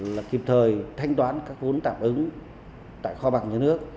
là kịp thời thanh toán các vốn tạm ứng tại kho bạc nhà nước